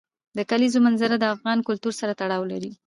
د کلیزو منظره د افغان کلتور سره تړاو لري.